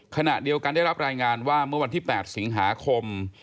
ขณะเดียวกันได้รับรายงานว่าเมื่อวันที่๘สิงหาคม